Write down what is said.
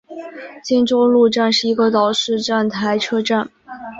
金周路站是一个岛式站台车站。